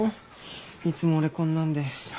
いつも俺こんなんで。